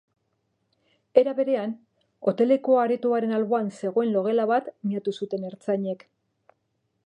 Era berean, hoteleko aretoaren alboan zegoen logela bat miatu zuten ertzainek.